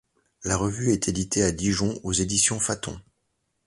La revue est éditée à Dijon aux Éditions Faton.